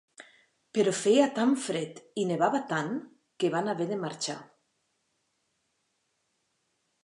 Però feia tant fred i nevava tant que van haver de marxar.